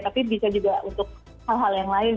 tapi bisa juga untuk hal hal yang lain